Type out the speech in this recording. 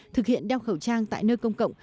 thực hiện đeo khẩu trang tại nơi công cộng